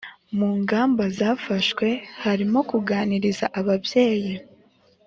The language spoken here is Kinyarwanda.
mu ngamba zafashwe harimo kuganiriza ababyeyi